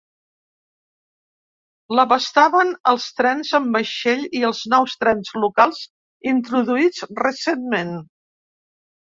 L'abastaven els trens amb vaixell i els nous trens locals introduïts recentment.